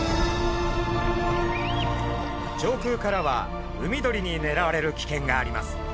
上空からは海鳥にねらわれる危険があります。